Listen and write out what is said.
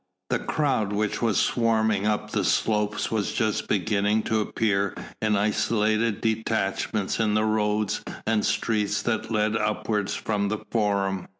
The crowd which was swarming up the slopes was just beginning to appear in isolated detachments in the roads and streets that led upwards from the Forum.